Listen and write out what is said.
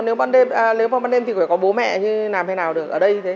nếu mà ban ngày là đi hết rồi còn nếu mà ban đêm thì phải có bố mẹ làm thế nào được ở đây thế